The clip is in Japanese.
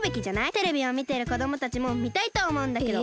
テレビをみてるこどもたちもみたいとおもうんだけど。